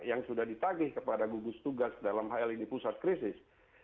yang sudah ditagih kepada gugus tugas dalam hal ini pusat krisis